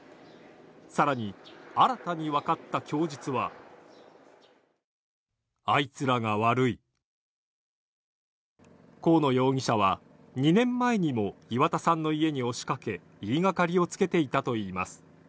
更に、新たに分かった供述は河野容疑者は２年前にも岩田さんの家に押しかけ言いがかりをつけていたといいます。